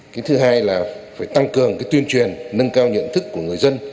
cái thứ hai là phải tăng cường cái tuyên truyền nâng cao nhận thức của người dân